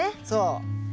そう。